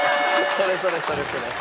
それそれそれそれ。